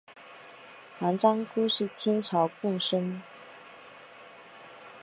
王章枯是清朝贡生。